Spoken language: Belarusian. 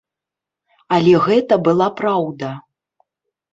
Але гэта была праўда.